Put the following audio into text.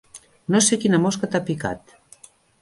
No sé quina mosca t'ha picat.